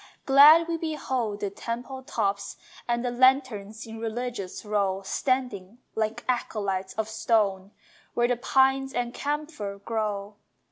Glad we behold the temple tops And the lanterns in religious row Standing, like acolytes of stone, Where the pine and camphor grow.